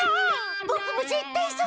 ボクもぜったいそう思う！